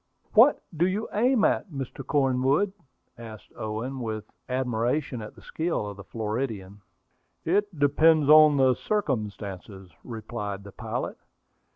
"What do you aim at, Mr. Cornwood?" asked Owen, with admiration at the skill of the Floridian. "It depends on circumstances," replied the pilot.